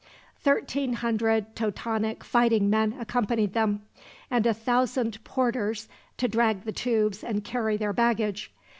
Thirteen hundred Totonac fighting men accompanied them, and a thousand porters to drag the tubes and carry their baggage.